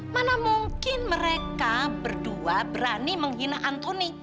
mana mungkin mereka berdua berani menghina antuni